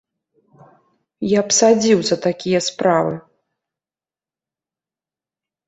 Я б садзіў за такія справы!